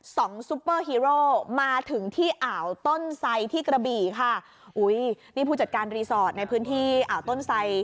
ซุปเปอร์ฮีโร่มาถึงที่อ่าวต้นไซที่กระบี่ค่ะอุ้ยนี่ผู้จัดการรีสอร์ทในพื้นที่อ่าวต้นไซ